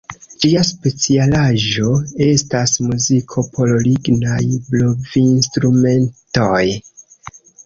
Ĝia specialaĵo estas muziko por lignaj blovinstrumentoj.